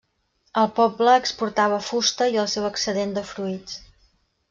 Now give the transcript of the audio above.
El poble exportava fusta i el seu excedent de fruits.